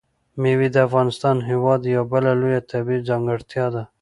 مېوې د افغانستان هېواد یوه بله لویه طبیعي ځانګړتیا ده.